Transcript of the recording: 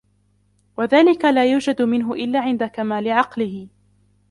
وَذَلِكَ لَا يُوجَدُ مِنْهُ إلَّا عِنْدَ كَمَالِ عَقْلِهِ